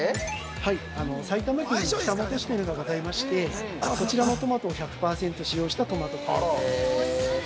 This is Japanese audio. ◆はい、埼玉県に北本市というのがございましてこちらのトマトを１００％使用したトマトカレーでございます。